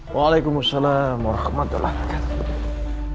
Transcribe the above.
waalaikumsalam warahmatullah wabarakatuh